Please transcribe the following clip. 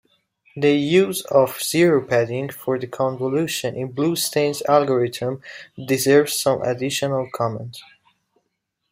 The use of zero-padding for the convolution in Bluestein's algorithm deserves some additional comment.